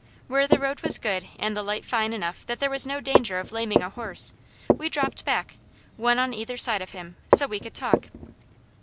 Where the road was good and the light fine enough that there was no danger of laming a horse, we dropped back, one on either side of him, so we could talk.